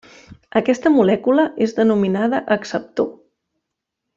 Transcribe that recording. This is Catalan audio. Aquesta molècula és denominada acceptor.